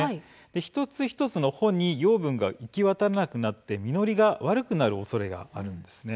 一つ一つの穂に養分が行き渡らなくなって実りが悪くなるおそれがあるといいます。